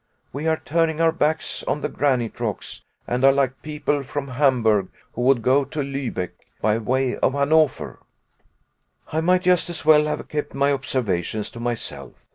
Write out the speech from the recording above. We are turning our backs on the granite rocks, and are like people from Hamburg who would go to Lubeck by way of Hanover." I might just as well have kept my observations to myself.